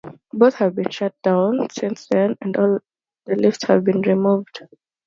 Both have been shut down since then and all the lifts have been removed.